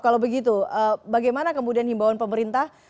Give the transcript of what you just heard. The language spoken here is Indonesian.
kalau begitu bagaimana kemudian himbawan pemerintah